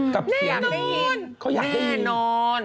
แน่นอนแน่นอนเขาอยากได้ยินแน่นอน